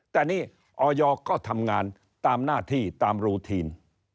แต่นี่ออยก็ทำงานตามหน้าที่ตามรูทีน